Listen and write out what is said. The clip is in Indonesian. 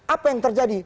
apa yang terjadi